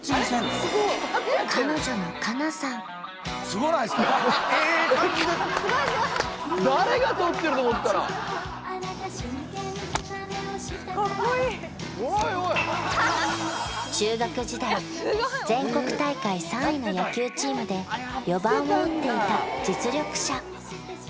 ・すごいすごいと思ったら中学時代全国大会３位の野球チームで４番を打っていた実力者